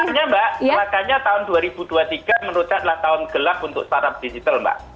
makanya mbak makanya tahun dua ribu dua puluh tiga menurut saya adalah tahun gelap untuk startup digital mbak